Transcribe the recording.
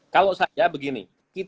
kalau saya begini